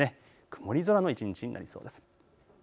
曇り空の一日になりそうです。